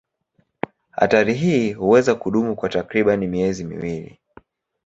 Hatari hii huweza kudumu kwa takriban miezi miwili.